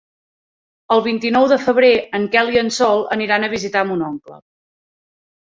El vint-i-nou de febrer en Quel i en Sol aniran a visitar mon oncle.